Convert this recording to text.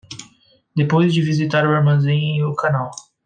Depois de visitar o armazém e o canal